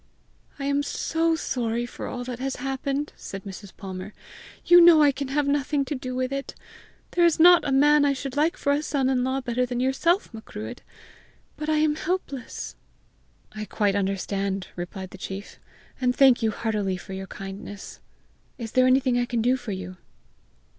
"I am so sorry for all that has happened!" said Mrs. Palmer. "You know I can have had nothing to do with it! There is not a man I should like for a son in law better than yourself, Macruadh; but I am helpless." "I quite understand," replied the chief, "and thank you heartily for your kindness. Is there anything I can do for you?"